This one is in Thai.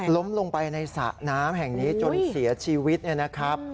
ล้มลงไปในสระน้ำแห่งนี้จนเสียชีวิตเนี่ยนะครับ